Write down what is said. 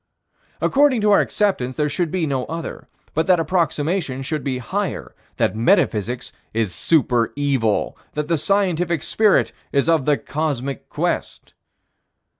According to our acceptance, there should be no other, but that approximation should be higher: that metaphysics is super evil: that the scientific spirit is of the cosmic quest.